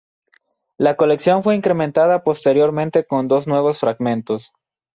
La colección fue incrementada posteriormente con dos nuevos fragmentos.